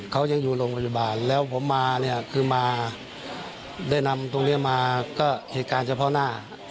เขายังอยู่โรงพยาบาลแล้วผมมาเนี่ยคือมาได้นำตรงนี้มาก็เหตุการณ์เฉพาะหน้า